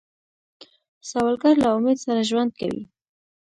سوالګر له امید سره ژوند کوي